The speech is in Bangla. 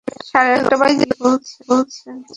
কী বলতে চাচ্ছ?